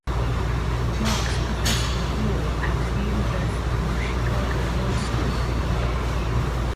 Marks Professor of Law at the University of Chicago Law School.